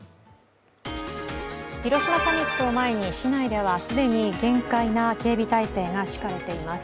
広島サミットを前に市内では既に厳戒な警備体制が敷かれています。